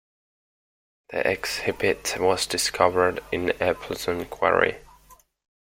The exhibit was discovered in Eppleton quarry.